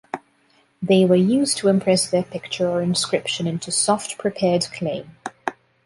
They were used to impress their picture or inscription into soft, prepared clay.